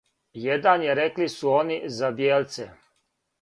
Један је, рекли су они, за бијелце.